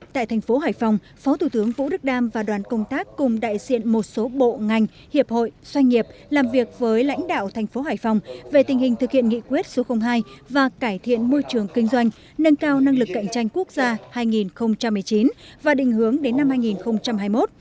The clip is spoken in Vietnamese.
tại thành phố hải phòng phó thủ tướng vũ đức đam và đoàn công tác cùng đại diện một số bộ ngành hiệp hội doanh nghiệp làm việc với lãnh đạo thành phố hải phòng về tình hình thực hiện nghị quyết số hai và cải thiện môi trường kinh doanh nâng cao năng lực cạnh tranh quốc gia hai nghìn một mươi chín và định hướng đến năm hai nghìn hai mươi một